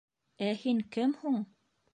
— Ә һин кем һуң?